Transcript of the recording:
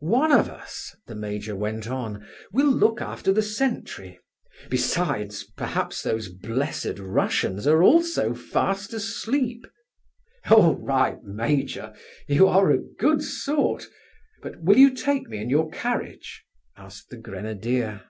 "One of us," the major went on, "will look after the sentry. Besides, perhaps those blessed Russians are also fast asleep." "All right, major; you are a good sort! But will you take me in your carriage?" asked the grenadier.